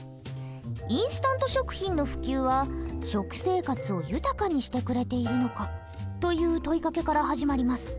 インスタント食品の普及は食生活を豊かにしてくれているのかという問いかけから始まります。